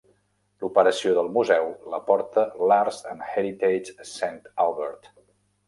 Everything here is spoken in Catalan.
L'operació del museu la porta l'Arts and Heritage St. Albert.